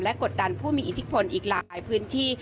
และกดดันผู้มีอิทธิพลอีกหลายพื้นที่